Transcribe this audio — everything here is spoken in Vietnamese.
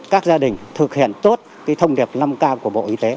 các gia đình thực hiện tốt thông điệp năm k của bộ y tế